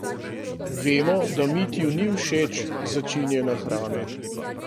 Vemo, da Mitju ni všeč začinjena hrana.